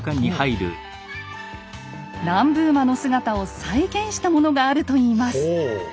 南部馬の姿を再現したものがあるといいます。